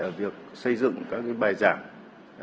ở việc xây dựng các bài giảng